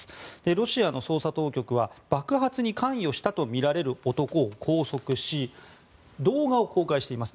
ロシアの捜査当局は爆発に関与したとみられる男を拘束し動画を公開しています。